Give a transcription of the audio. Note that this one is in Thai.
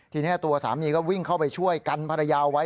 ทีนี้ตัวสามีก็วิ่งเข้าไปช่วยกันภรรยาไว้